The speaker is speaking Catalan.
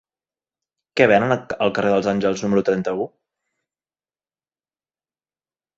Què venen al carrer dels Àngels número trenta-u?